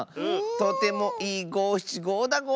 とてもいいごしちごだゴロ！